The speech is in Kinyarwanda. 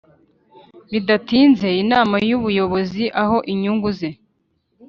bidatinze Inama y Ubuyobozi aho inyungu ze